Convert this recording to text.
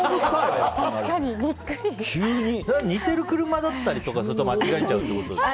似てる車だったりすると間違えちゃうってことですか。